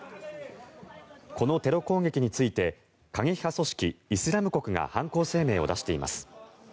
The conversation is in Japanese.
このテロ攻撃について過激派組織イスラム国が犯行声明を出しています。